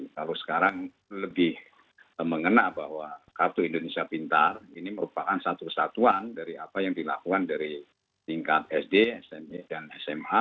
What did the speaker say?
kalau sekarang lebih mengena bahwa kartu indonesia pintar ini merupakan satu kesatuan dari apa yang dilakukan dari tingkat sd smp dan sma